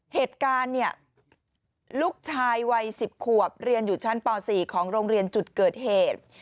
เหตุการณ์เนี่ยลูกชายวัย๑๐ขวบเรียนอยู่ชั้นป๔ของโรงเรียนจุดเกิดเหตุ